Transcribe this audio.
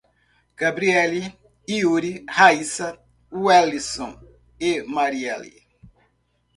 Gabriely, Iury, Raiza, Welison e Marieli